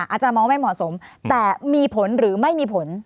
อาจารย์มองไม่เหมาะสมแต่มีผลหรือไม่มีผล